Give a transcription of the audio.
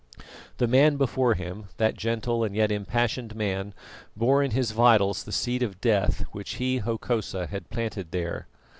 The man before him that gentle and yet impassioned man bore in his vitals the seed of death which he, Hokosa, had planted there.